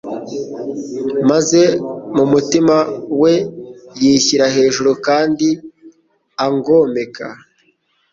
maze mu mutima we yishyira hejuru kandi angomeka,